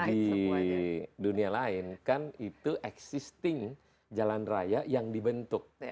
di dunia lain kan itu existing jalan raya yang dibentuk